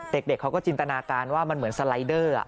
เด็กเขาก็จินตนาการว่ามันเหมือนสไลเดอร์